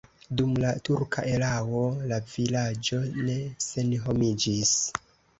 Dum la turka erao la vilaĝo ne senhomiĝis.